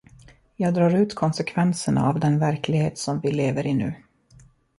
Jag drar ut konsekvenserna av den verklighet som vi lever i nu.